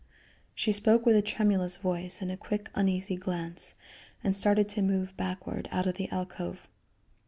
She spoke with a tremulous voice and a quick, uneasy glance, and started to move backward out of the alcove.